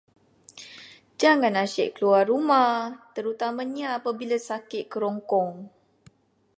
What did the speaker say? Jangan asyik keluar rumah, terutamanya apabila sakit kerongkong.